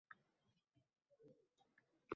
Asalari keldi uchib